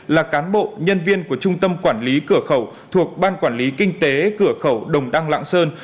là cán bộ nhân viên của trung tâm quản lý cửa khẩu thuộc ban quản lý kinh tế cửa khẩu đồng đăng lạng sơn